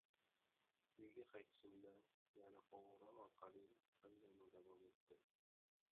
Uyga qaytishimda yana qo`ng`iroq orqali hangoma davom etdi